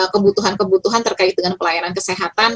kebutuhan kebutuhan terkait dengan pelayanan kesehatan